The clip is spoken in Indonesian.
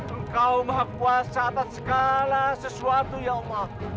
engkau maha kuasa atas segala sesuatu ya allah